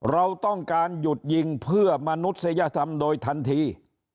เราต้องการหยุดยิงเพื่อมนุษยธรรมโดยทันที